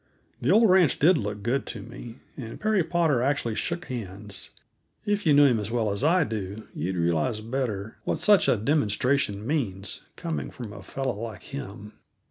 The old ranch did look good to me, and Perry Potter actually shook hands; if you knew him as well as I do you'd realize better what such a demonstration means, coming from a fellow like him.